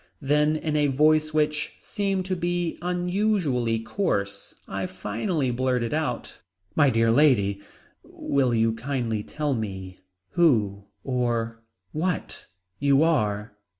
Then in a voice which seemed to be unusually coarse I finally blurted out: "My dear lady, will you kindly tell me who or what you are?"